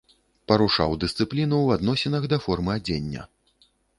Парушаў дысцыпліну ў адносінах да формы адзення.